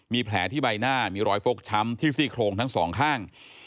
มีแผลที่ใบหน้ามีรอยฟกช้ำที่ซี่โครงทั้งสองข้าง